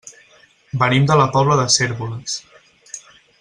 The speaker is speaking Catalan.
Venim de la Pobla de Cérvoles.